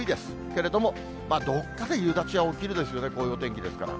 けれども、どっかで夕立が起きるでしょうね、こういうお天気ですから。